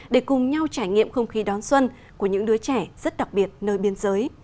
để cùng nhau trải nghiệm không khí đón xuân của những đứa trẻ rất đặc biệt nơi biên giới